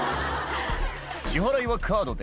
「支払いはカードで」